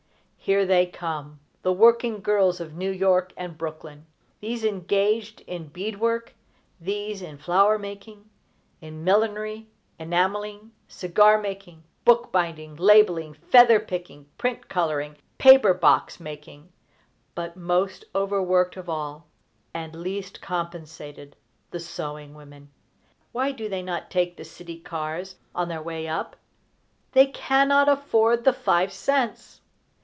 Here they come! the working girls of New York and Brooklyn! These engaged in bead work, these in flower making, in millinery, enamelling, cigar making, book binding, labelling, feather picking, print coloring, paper box making, but, most overworked of all, and least compensated, the sewing women. Why do they not take the city cars on their way up? They cannot afford the five cents!